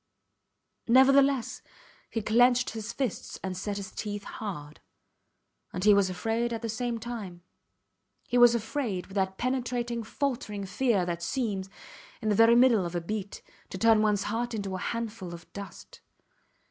Nevertheless, he clenched his fists and set his teeth hard. And he was afraid at the same time. He was afraid with that penetrating faltering fear that seems, in the very middle of a beat, to turn ones heart into a handful of dust.